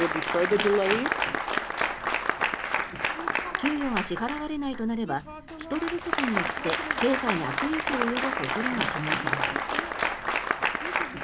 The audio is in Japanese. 給与が支払われないとなれば人手不足によって経済に悪影響を及ぼす恐れが懸念されます。